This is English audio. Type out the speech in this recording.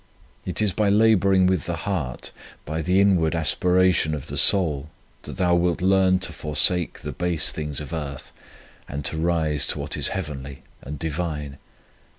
It is by labouring with the heart, by the inward aspiration of the soul, that thou wilt learn to forsake the base things of earth and to rise to what is heavenly and Divine.